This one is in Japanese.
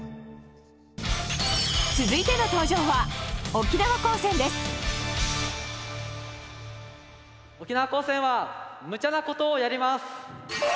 続いての登場は沖縄高専は「ムチャ」なことをやります！